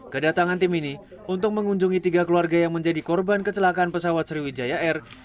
kedatangan tim ini untuk mengunjungi tiga keluarga yang menjadi korban kecelakaan pesawat sriwijaya air